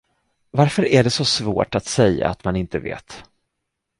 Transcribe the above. Varför är det så svårt att säga att man inte vet?